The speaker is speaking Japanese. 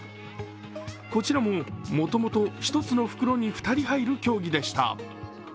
こちらも、もともと一つの袋に２人入る競技でした。